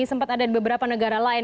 sempat ada di beberapa negara lain